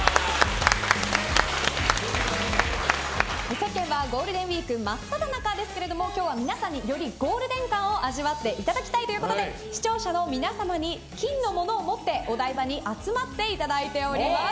世間はゴールデンウィーク真っただ中ですけども今日は皆さんによりゴールデン感を味わっていただきたいということで視聴者の皆様に金のものを持ってお台場に集まっていただいております。